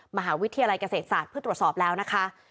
มหาวิทยาลัยเกษตรศาสตร์เพื่อตรวจสอบแล้วนะคะ